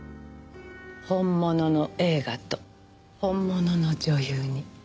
本物の映画と本物の女優に。